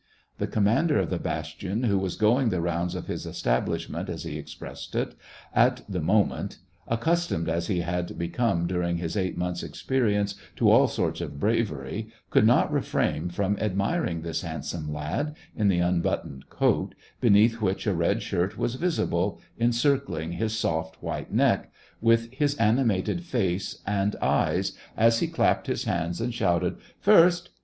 The commander of the bastion, who was going the rounds of his establishment as he expressed it, at the moment, accustomed as he had become during his eight months experience to all sorts of bravery, could not refrain from admiring this handsome lad, in the unbuttoned coat, beneath which a red shirt was visible, encircling his soft SEVASTOPOL IN AUGUST. 24 1 white neck, with his animated face and eyes, as he clapped his hands and shouted: " First